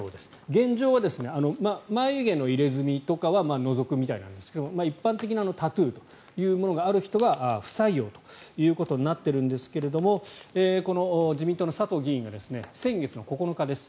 現状は眉毛の入れ墨とかは除くみたいなんですが一般的なタトゥーというものがある人は不採用ということになっているんですがこの自民党の佐藤議員が先月９日です。